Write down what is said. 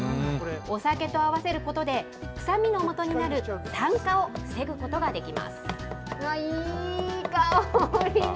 お酒と合わせることで、臭みのもとになる酸化を防ぐことができます。